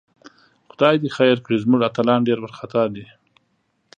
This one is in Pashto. خدای دې خیر کړي، زموږ اتلان ډېر وارخطاء دي